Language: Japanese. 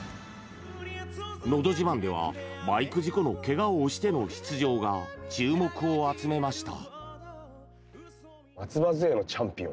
「のど自慢」ではバイク事故のけがを押しての出場が注目を集めました。